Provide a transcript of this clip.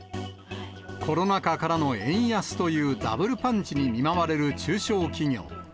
コロナ禍からの円安というダブルパンチに見舞われる中小企業。